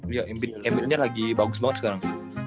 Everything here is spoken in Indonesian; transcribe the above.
iya mbitnya lagi bagus banget sekarang